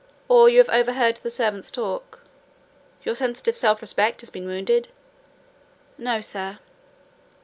or you have overheard the servants talk?—your sensitive self respect has been wounded?" "No, sir."